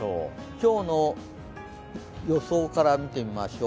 今日の予想からみてみましょう。